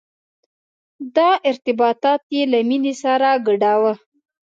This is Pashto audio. دا ارتباط یې له مینې سره ګډاوه.